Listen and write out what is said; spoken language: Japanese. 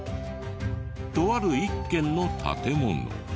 とある一軒の建物。